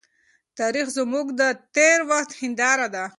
تاريخ زموږ د تېر وخت هنداره ده.